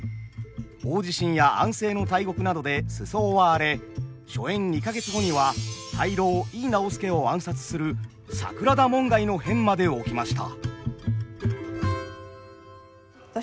大地震や安政の大獄などで世相は荒れ初演二か月後には大老井伊直弼を暗殺する桜田門外の変まで起きました。